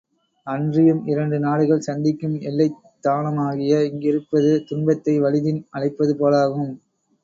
அன்றியும் இரண்டு நாடுகள் சந்திக்கும் எல்லைத் தானமாகிய இங்கிருப்பது துன்பத்தை வலிதின் அழைப்பது போலாகும்.